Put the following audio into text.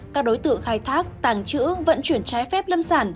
các đối tượng khai thác tàng trữ vận chuyển trái phép lâm sản